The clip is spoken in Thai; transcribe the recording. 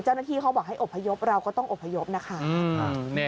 เจ้าหน้าที่เขาบอกให้อบพยพเราก็ต้องอบพยพนะคะ